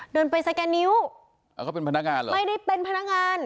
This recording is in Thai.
เดินไปสแกนนิ้วเขาเป็นพนักงานเหรอไม่ได้เป็นพนักงาน